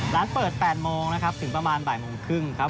ร้านเปิด๘โมงนะครับถึงประมาณบ่ายโมงครึ่งครับ